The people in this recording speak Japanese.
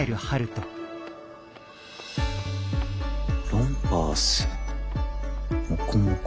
ロンパースモコモコ。